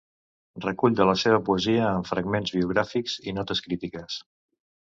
Recull de la seva poesia amb fragments biogràfics i notes crítiques.